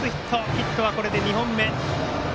ヒットはこれで２本目。